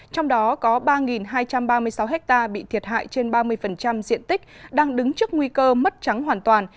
trong đó có ba hai trăm ba mươi sáu ha bị thiệt hại trên ba mươi diện tích đang đứng trước nguy cơ mất trắng hoàn toàn